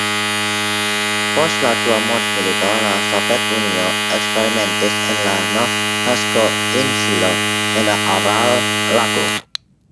Post la dua mondmilito, la Sovetunio eksperimentis en la Novnasko-insilo en la Aral-lago.